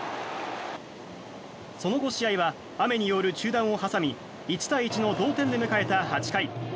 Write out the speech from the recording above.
その後、試合は雨による中断を挟み１対１の同点で迎えた８回。